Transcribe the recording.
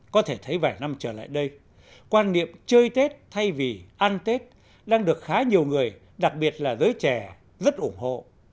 có thể thấy vài năm trở lại đây quan niệm chơi tết thay vì ăn tết đang được khá nhiều người đặc biệt là giới trẻ rất ủng hộ